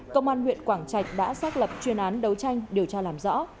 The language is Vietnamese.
công an huyện quảng trạch đã xác lập chuyên án đấu tranh điều tra làm rõ